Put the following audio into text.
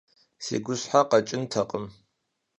Си гущхьэ къэкӀынтэкъым!